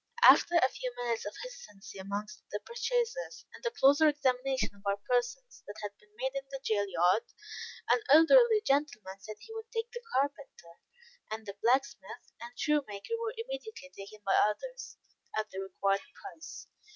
After a few minutes of hesitancy amongst the purchasers, and a closer examination of our persons than had been made in the jail yard, an elderly gentleman said he would take the carpenter; and the blacksmith, and shoemaker, were immediately taken by others, at the required price.